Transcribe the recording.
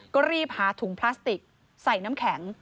ก็รีบหาถุงพลาสติกใส่น้ำแข็ง